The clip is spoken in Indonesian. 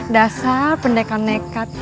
dasar pendekar nekat